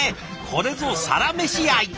これぞサラメシ愛！